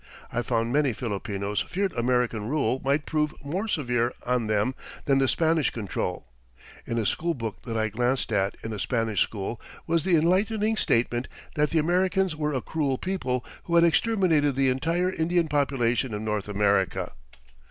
I found many Filipinos feared American rule might prove more severe on them than the Spanish control. In a school book that I glanced at in a Spanish school was the enlightening statement that the Americans were a cruel people who had exterminated the entire Indian population of North America."